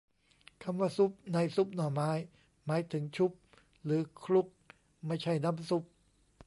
คำว่า ซุบ ในซุบหน่อไม้ หมายถึง ชุบ หรือ คลุก ไม่ใช่น้ำซุป